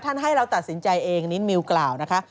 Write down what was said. ให้เราตัดสินใจเองอันนี้มิวกล่าวนะคะ